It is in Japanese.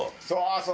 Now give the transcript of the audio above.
そう！